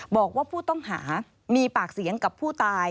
บอกว่าผู้ต้องหามีปากเสียงกับผู้ตาย